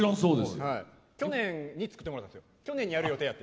去年に作ってもらったんです。